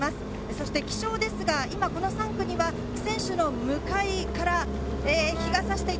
そして気象ですが、今この３区には選手の向かいから日が差してい